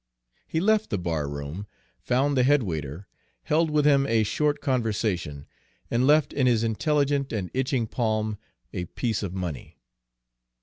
He left the bar room, found the head waiter, held with him a short conversation, and left in his intelligent and itching palm a piece of money.